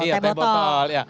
iya teh botol